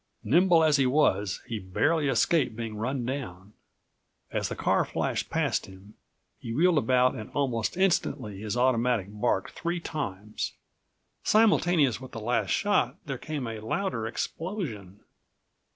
Nimble as he was, he barely escaped being run down. As the car flashed past him, he wheeled about and almost instantly his automatic barked three times. Simultaneous with the last shot there came a louder explosion.